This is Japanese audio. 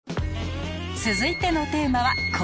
続いてのテーマはこちら